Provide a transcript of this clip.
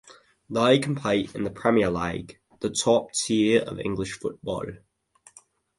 They compete in the Premier League, the top tier of English football.